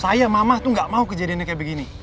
saya mamah tuh gak mau kejadiannya kayak begini